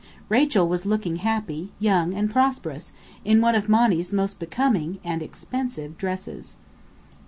Rachel was looking happy, young and prosperous, in one of Monny's most becoming (and expensive) dresses.